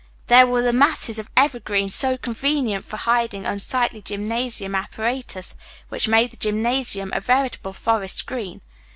There were the masses of evergreen so convenient for hiding unsightly gymnasium apparatus, which made the gymnasium a veritable forest green.